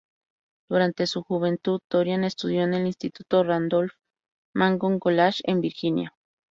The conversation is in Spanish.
Durante su juventud, Dorian estudió en el instituto Randolph Macon College, en Virginia.